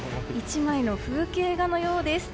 １枚の風景画のようです。